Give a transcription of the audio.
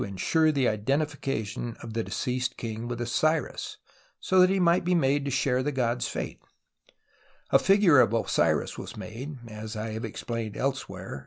110 TUTANKHAMEN papyri to ensure the identification of the deceased king with Osiris, so that he might be made to share the god's fate. A figure of Osiris was made, as I have explained elsewhere (p.